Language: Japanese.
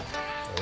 お。